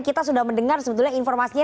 kita sudah mendengar sebetulnya informasinya